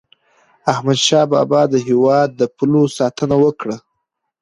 احمد شاه بابا د هیواد د پولو ساتنه وکړه.